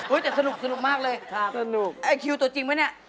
โอ๊ยแต่สนุกมากเลยไอคิวตัวจริงไหมเนี่ย